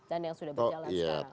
dan yang sudah berjalan sekarang